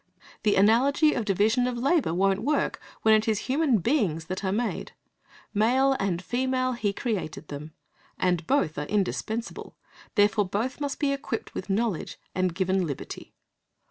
The analogy of division of labour won't work when it is human beings that are being made. "Male and female created He them," and both are indispensable. Therefore both must be equipped with knowledge and given liberty.